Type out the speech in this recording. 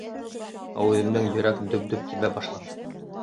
Ә үҙемдең йөрәк дөп-дөп тибә башланы.